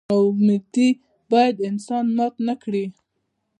نا امیدي باید انسان مات نه کړي.